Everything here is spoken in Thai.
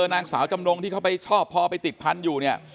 นางสาวจำนงที่เขาไปชอบพอไปติดพันธุ์อยู่เนี่ย